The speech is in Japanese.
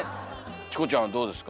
チコちゃんはどうですか？